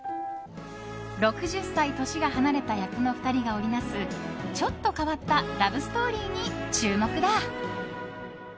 ６０歳年が離れた役の２人が織りなすちょっと変わったラブストーリーに注目だ。